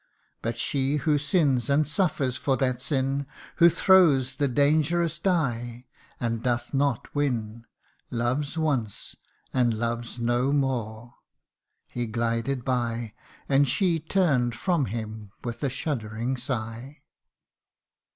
But she who sins, and suffers for that sin, Who throws the dangerous die, and doth not win Loves once and loves no more !' He glided by, And she turn'd from him with a shuddering sigh.